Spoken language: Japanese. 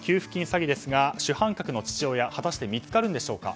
詐欺ですが主犯格の父親果たして見つかるのでしょうか。